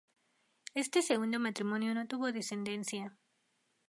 Este segundo matrimonio no tuvo descendencia.